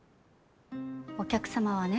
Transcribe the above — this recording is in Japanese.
お客様はね